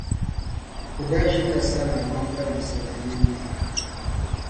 O daa ʒini la Salaagbaŋ kpalim Salaa Namni.